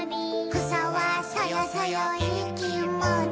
「くさはそよそよいいきもち」